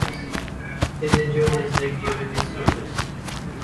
His injured his leg during his service.